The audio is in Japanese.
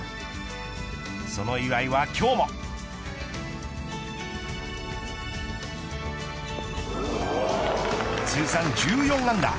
その岩井は、今日も通算１４アンダー。